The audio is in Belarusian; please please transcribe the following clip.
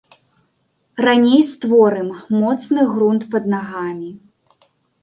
Раней створым моцны грунт пад нагамі.